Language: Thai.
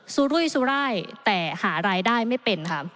ซุรุยซุร่ายแต่หารายได้ไม่เป็น